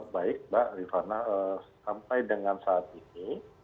baik mbak rifana sampai dengan saat ini